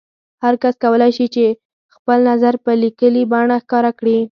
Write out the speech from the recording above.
هر کس کولای شي چې خپل نظر په لیکلي بڼه ښکاره کړي.